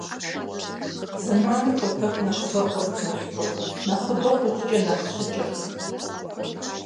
Зэманыр кӀуэтэху нэхъыбэ хъурт Мылъкур, нэхъыбэ хъухукӀэ нэхъ щыкӀырт.